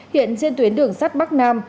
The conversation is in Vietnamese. hiện trên tuyến đường sắt bắc nam